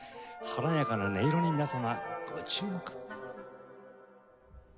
華やかな音色に皆様ご注目。